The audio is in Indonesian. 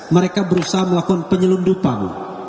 mereka berusaha melakukan penyelundupan